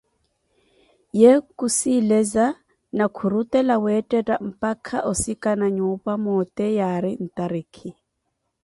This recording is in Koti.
Ye khusiileza ni khurutela weettetta mpakha osikana nnyupa moote yaari ntarikhi.